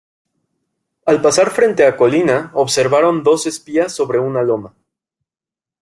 Al pasar frente a Colina observaron dos espías sobre una loma.